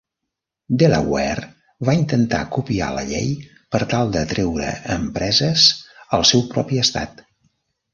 Delaware va intentar copiar la llei per tal d'atreure empreses al seu propi estat.